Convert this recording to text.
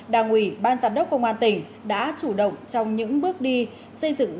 đảng ủy ban giám đốc công an tỉnh đã chủ động trong những bước đi xây dựng